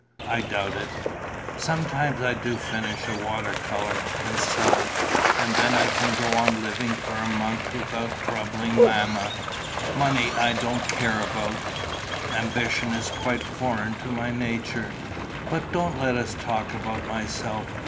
I doubt it. Sometimes I do finish a water colour and sell it; and then I can go on living for a month without troubling Mamma. Money I don't care about. Ambition is quite foreign to my nature.... But don't let us talk about myself.